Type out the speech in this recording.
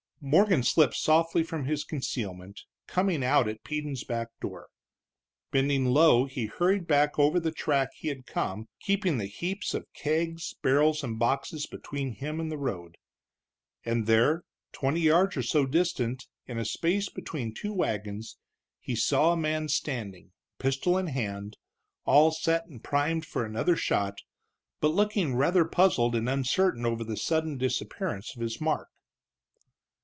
Morgan slipped softly from his concealment, coming out at Peden's back door. Bending low, he hurried back over the track he had come, keeping the heaps of kegs, barrels, and boxes between him and the road. And there, twenty yards or so distant, in a space between two wagons, he saw a man standing, pistol in hand, all set and primed for another shot, but looking rather puzzled and uncertain over the sudden disappearance of his mark.